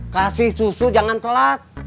kasih susu jangan telat